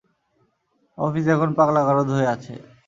Office এখন পাগলাগারদ হয়ে আছে!